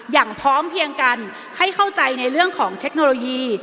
อย่างพร้อมเพียงกันให้เข้าใจในเรื่องของเทคโนโลยี